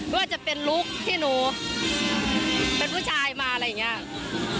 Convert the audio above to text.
ว่าจะเป็นลุคที่หนูเป็นผู้ชายมาอะไรอย่างนี้